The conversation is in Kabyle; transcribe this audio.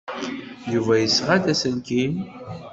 Yuba yesɣa-d aselkim.